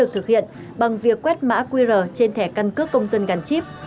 được thực hiện bằng việc quét mã qr trên thẻ căn cước công dân gắn chip